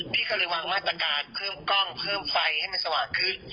พี่ก็เลยวางมาตรการเพิ่มกล้องเพิ่มไฟให้มันสว่างขึ้น